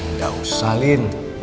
nggak usah lin